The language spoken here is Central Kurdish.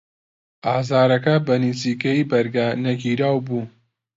ئازارەکە بەنزیکەیی بەرگەنەگیراو بوو.